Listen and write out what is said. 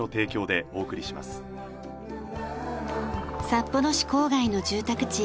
札幌市郊外の住宅地